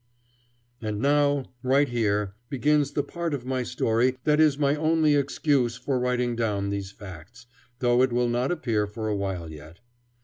And now, right here, begins the part of my story that is my only excuse for writing down these facts, though it will not appear for a while yet.